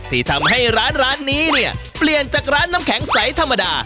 ที่ทำให้ร้านร้านนี้เนี่ยเปลี่ยนจากร้านน้ำแข็งใสธรรมดา